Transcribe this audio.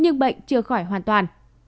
nhưng bệnh chưa khỏi hoàn toàn